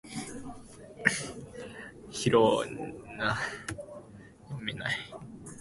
広西チワン族自治区の自治区首府は南寧である